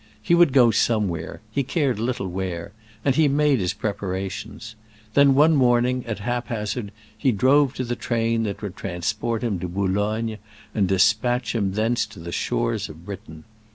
He would go somewhere; he cared little where; and he made his preparations. Then, one morning, at haphazard, he drove to the train that would transport him to Boulogne and dispatch him thence to the shores of Britain.